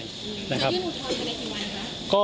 คุณยื่นหุดความคำในกี่วันครับ